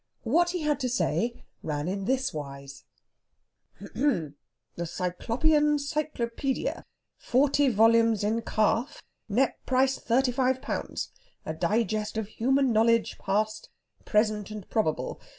What he had to say ran in this wise: "H'm! h'm! 'The Cyclopean Cyclopædia.' Forty volumes in calf. Net price thirty five pounds. A digest of human knowledge, past, present, and probable.